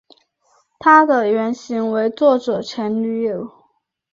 她的原型为作者前女友。